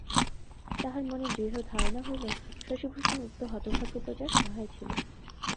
তাঁহার মনে দৃঢ় ধারণা হইল শশিভূষণ উক্ত হতভাগ্য প্রজার সহায় ছিল।